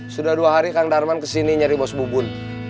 sudah dua hari kang darman kesini nyari bos bubun